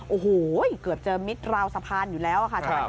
โอ้โห้ยเกือบแค่เจอมิดลาวสะพานอยู่แล้ว